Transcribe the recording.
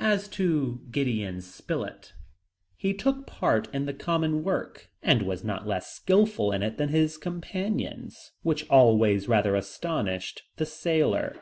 As to Gideon Spilett, he took part in the common work, and was not less skilful in it than his companions, which always rather astonished the sailor.